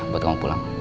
buat kamu pulang